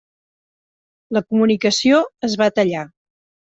La comunicació es va tallar.